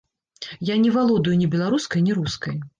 Я не валодаю ні беларускай, ні рускай.